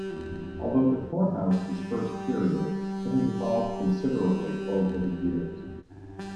Although the core house is first period, it has evolved considerably over the years.